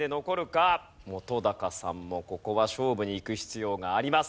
本さんもここは勝負にいく必要があります。